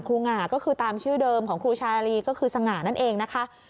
หง่าก็คือตามชื่อเดิมของครูชาลีก็คือสง่านั่นเองนะคะ